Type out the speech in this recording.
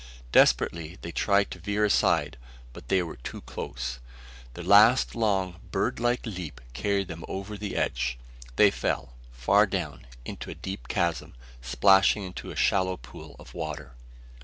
Desperately, they tried to veer aside, but they were too close. Their last long birdlike leap carried them over the edge. They fell, far down, into a deep chasm, splashing into a shallow pool of water.